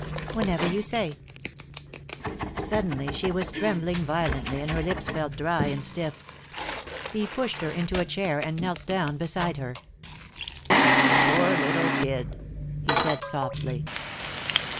"Whenever you say." Suddenly she was trembling violently, and her lips felt dry and stiff. He pushed her into a chair, and knelt down beside her. "You poor little kid," he said, softly.